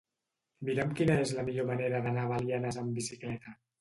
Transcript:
Mira'm quina és la millor manera d'anar a Belianes amb bicicleta.